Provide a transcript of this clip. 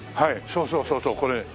そうそうそうそうこれ。